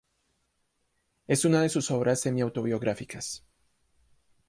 Es una de sus obras semi autobiográficas.